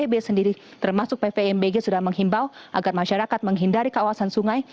bb sendiri termasuk pvmbg sudah menghimbau agar masyarakat menghindari kawasan sungai